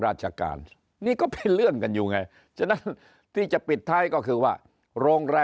ราชการนี่ก็เป็นเรื่องกันอยู่ไงฉะนั้นที่จะปิดท้ายก็คือว่าโรงแรม